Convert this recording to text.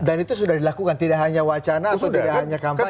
dan itu sudah dilakukan tidak hanya wacana atau tidak hanya kampanye